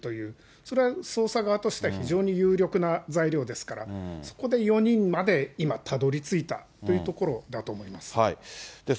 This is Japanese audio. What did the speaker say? それは捜査側としては、非常に有力な材料ですから、そこで４人まで今、たどりついたというところだと思います。